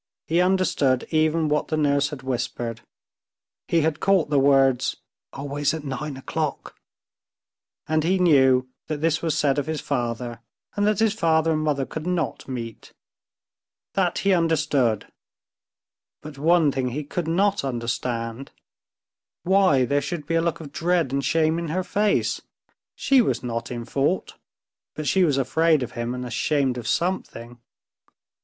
He understood even what the nurse had whispered. He had caught the words "always at nine o'clock," and he knew that this was said of his father, and that his father and mother could not meet. That he understood, but one thing he could not understand—why there should be a look of dread and shame in her face?... She was not in fault, but she was afraid of him and ashamed of something.